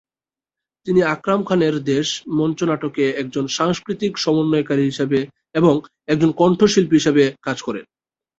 তিনি আকরাম খানের "দেশ" মঞ্চনাটকে একজন সাংস্কৃতিক সমন্বয়কারী হিসাবে এবং একজন কণ্ঠ শিল্পী হিসেবে কাজ করেন।